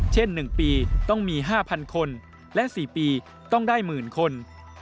เช่น๑ปีต้องมี๕๐๐คนและ๔ปีต้องได้หมื่นคน